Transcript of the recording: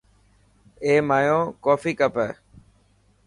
اي مايو ڪوفي ڪپ هي.